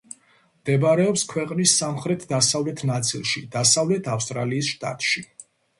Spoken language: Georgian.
მდებარეობს ქვეყნის სამხრეთ-დასავლეთ ნაწილში, დასავლეთ ავსტრალიის შტატში.